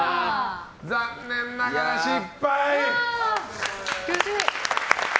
残念ながら失敗。